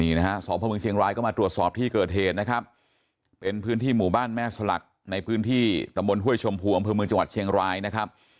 นี่นะฮะสพเมืองเชียงรายก็มาตรวจสอบที่เกิดเหตุนะครับเป็นพื้นที่หมู่บ้านแม่สลักในพื้นที่ตำบลห้วยชมพูอำเภอเมืองจังหวัดเชียงรายนะครับ